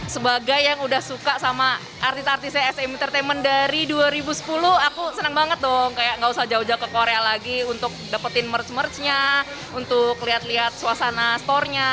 sebagai yang udah suka sama artis artisnya sm entertainment dari dua ribu sepuluh aku seneng banget dong kayak gak usah jauh jauh ke korea lagi untuk dapetin merch merchnya untuk lihat lihat suasana store nya